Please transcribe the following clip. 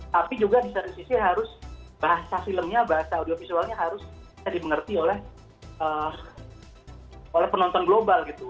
tapi juga di satu sisi harus bahasa filmnya bahasa audiovisualnya harus bisa dimengerti oleh penonton global gitu